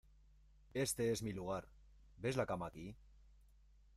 Éste es mi lugar, ¿ ves la cama aquí?